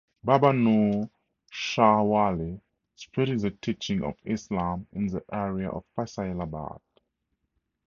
Baba Noor Shah Wali spread the teaching of Islam in the area of Faisalabad.